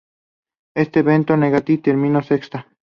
En este evento Nagai termino sexta.